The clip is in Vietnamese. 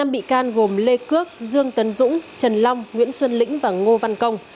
năm bị can gồm lê cước dương tấn dũng trần long nguyễn xuân lĩnh và ngô văn công